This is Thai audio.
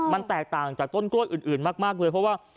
มันแตกต่างจากต้นกล้วยอื่นมากเลยเพราะว่า